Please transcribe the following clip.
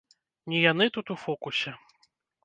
Не яны тут у фокусе.